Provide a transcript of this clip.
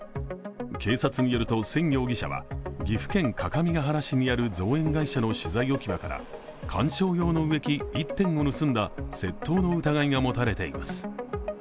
警察によると宣柱容疑者は岐阜県各務原市にある造園会社の資材置き場から観賞用の植木１点を盗んだ窃盗の疑いが持たれています。